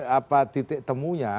kenapa titik temunya